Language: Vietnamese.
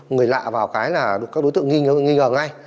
người lạ vào cái là các đối tượng nghi ngờ ngay